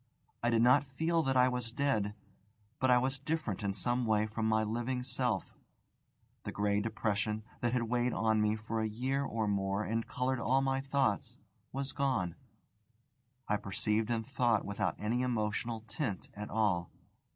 I did not feel that I was dead, but I was different in some way from my living self. The grey depression, that had weighed on me for a year or more and coloured all my thoughts, was gone. I perceived and thought without any emotional tint at all.